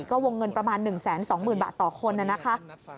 ก็วงเงินประมาณ๑๒๐๐๐บาทต่อคนนะคะ